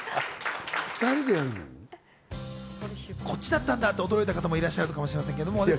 こっちだったんだと驚いた方もいらっしゃるかもしれませんけれども。